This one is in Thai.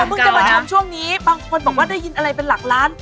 เพิ่งจะมาชมช่วงนี้บางคนบอกว่าได้ยินอะไรเป็นหลักล้าน